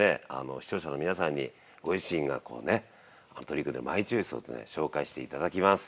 視聴者の皆さんにご自身が取り組んでるマイチョイスを紹介して頂きます。